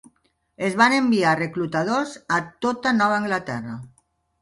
Es van enviar reclutadors a tota Nova Anglaterra.